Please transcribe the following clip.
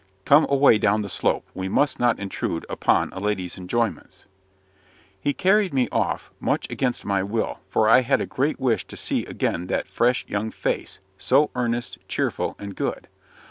"Come away down the slope. We must not intrude upon a lady's enjoyments." He carried me off, much against my will, for I had a great wish to see again that fresh young face, so earnest, cheerful, and good.